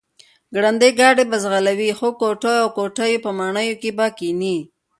ګړندی ګاډی به ځغلوي، ښو کوټو او کوټیو او ماڼیو کې به کښېني،